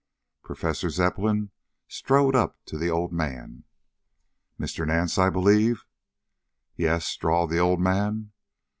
Professor Zepplin strode up to the old man. "Mr. Nance, I believe." "Y a a s," drawled the old man.